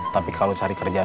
tapi kalau cari kerjaan